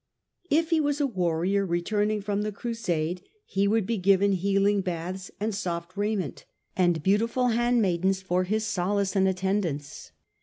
If he was a warrior returning from the Crusade he would be given healing baths and soft raiment, and beautiful handmaidens for his solace and attendance.